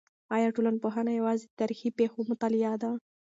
آیا ټولنپوهنه یوازې د تاریخي پېښو مطالعه ده؟